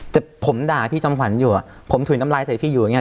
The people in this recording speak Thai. แต่ผมด่าพี่จำขวัญอยู่อ่ะผมถุยน้ำลายใส่พี่อยู่อย่างเง